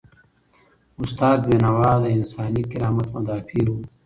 استاد بینوا د انساني کرامت مدافع و.